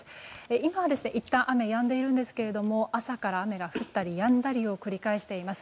今はいったん雨はやんでいるんですけど朝から、雨が降ったりやんだりを繰り返しています。